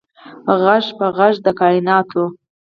غیږ په غیږ د کائیناتو